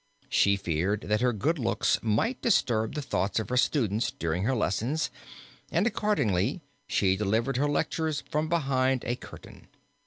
She feared that her good looks might disturb the thoughts of her students during her lessons and accordingly she delivered her lectures from behind a curtain.